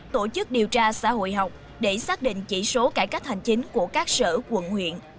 tổ chức điều tra xã hội học để xác định chỉ số cải cách hành chính của các sở quận huyện